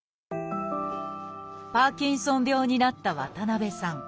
パーキンソン病になった渡辺さん。